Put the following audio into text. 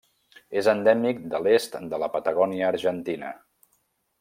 És endèmic de l'est de la Patagònia argentina.